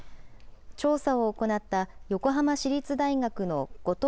調査を行った横浜市立大学の後